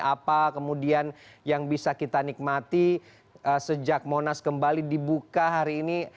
apa kemudian yang bisa kita nikmati sejak monas kembali dibuka hari ini